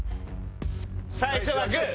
最初はグー！